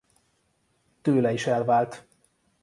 Tőle is elvált.